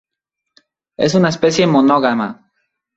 Es una especie monógama.